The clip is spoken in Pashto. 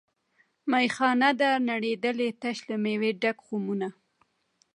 میخانه ده نړېدلې تش له میو ډک خُمونه